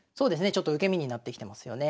ちょっと受け身になってきてますよね。